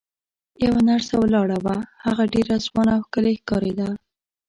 یوه نرسه ولاړه وه، هغه ډېره ځوانه او ښکلې ښکارېده.